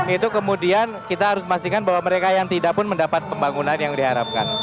itu kemudian kita harus memastikan bahwa mereka yang tidak pun mendapat pembangunan yang diharapkan